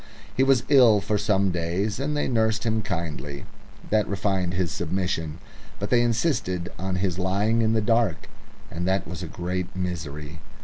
He was ill for some days, and they nursed him kindly. That refined his submission. But they insisted on his lying in the dark, and that was a great misery.